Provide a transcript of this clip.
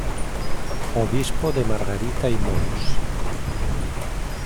Obispo de Margarita y Mons.